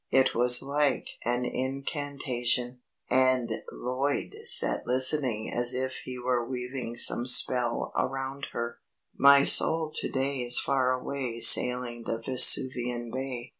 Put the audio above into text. It was like an incantation, and Lloyd sat listening as if he were weaving some spell around her: "'My soul to day Is far away Sailing the Vesuvian Bay.